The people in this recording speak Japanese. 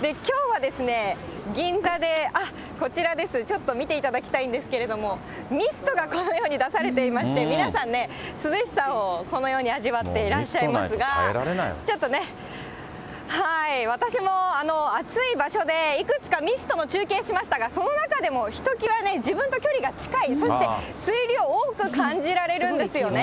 きょうは銀座で、こちらです、ちょっと見ていただきたいんですけれども、ミストがこのように出されていまして、皆さんね、涼しさをこのように味わっていらっしゃいますが、ちょっとね、私も暑い場所でいくつかミストの中継しましたが、その中でもひときわ自分と距離が近い、そして水量を多く感じられるんですよね。